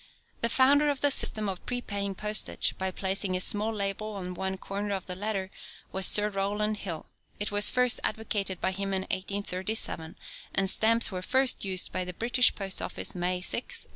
The founder of the system of prepaying postage by placing a small label on one corner of the letter was Sir Rowland Hill. It was first advocated by him in 1837, and stamps were first used by the British Post office May 6, 1840.